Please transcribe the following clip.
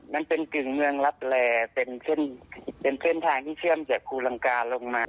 มันเป็นกึ่งเมืองรับแลเป็นเส้นทางที่เชื่อมจากภูลังกาลงมา